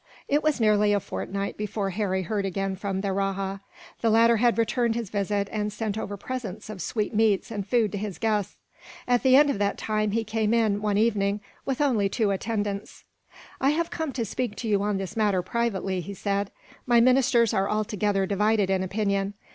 It was nearly a fortnight before Harry heard again from the rajah. The latter had returned his visit, and sent over presents of sweetmeats and food to his guests. At the end of that time he came in, one evening, with only two attendants. "I have come to speak to you on this matter, privately," he said. "My ministers are altogether divided in opinion.